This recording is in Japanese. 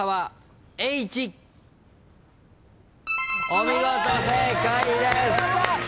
お見事正解です！